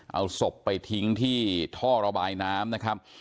เอาศพไปทิ้งที่ท่อระบายน้ำนะครับ